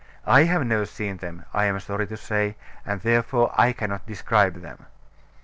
I have never seen them, I am sorry to say, and therefore I cannot describe them.